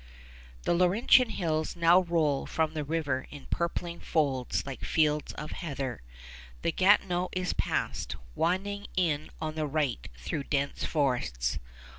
The Laurentian Hills now roll from the river in purpling folds like fields of heather. The Gatineau is passed, winding in on the right through dense forests.